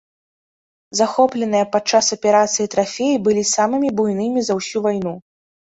Захопленыя падчас аперацыі трафеі былі самымі буйнымі за ўсю вайну.